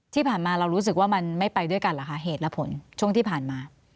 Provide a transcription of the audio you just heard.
ที่ผ่านมาเรารู้สึกว่ามันไม่ไปด้วยกันเหรอคะเหตุและผลช่วงที่ผ่านมา